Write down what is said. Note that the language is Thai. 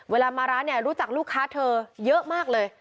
เวลามาร้านเนี่ยรู้จักลูกค้าเธอเยอะมากเลย